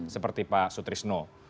seperti pak sutrisno